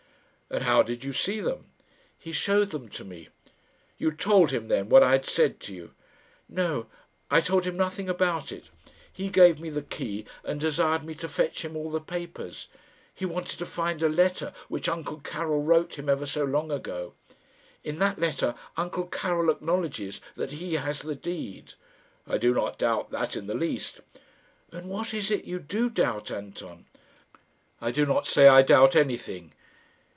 "And how did you see them?" "He showed them to me." "You told him, then, what I had said to you?" "No; I told him nothing about it. He gave me the key, and desired me to fetch him all the papers. He wanted to find a letter which uncle Karil wrote him ever so long ago. In that letter uncle Karil acknowledges that he has the deed." "I do not doubt that in the least." "And what is it you do doubt, Anton?" "I do not say I doubt anything."